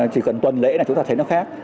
chỉ cần tuần lễ là chúng ta thấy nó khác